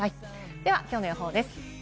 ではきょうの予報です。